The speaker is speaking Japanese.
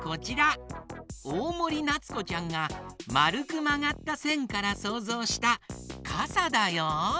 おおもりなつこちゃんが「まるくまがったせん」からそうぞうしたかさだよ！